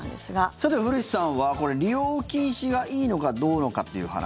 さて、古市さんはこれ、利用禁止がいいのかどうなのかっていう話。